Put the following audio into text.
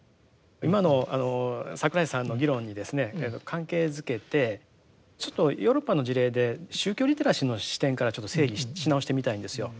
今の櫻井さんの議論にですね関係づけてちょっとヨーロッパの事例で宗教リテラシーの視点からちょっと整理し直してみたいんですよ。